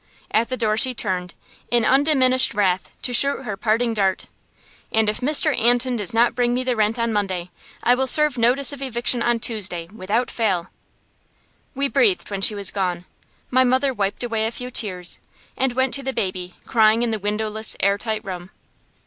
At the door she turned, in undiminished wrath, to shoot her parting dart: "And if Mr. Anton does not bring me the rent on Monday, I will serve notice of eviction on Tuesday, without fail." We breathed when she was gone. My mother wiped away a few tears, and went to the baby, crying in the windowless, air tight room.